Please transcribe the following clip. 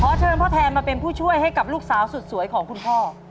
เชิญพ่อแทนมาเป็นผู้ช่วยให้กับลูกสาวสุดสวยของคุณพ่อ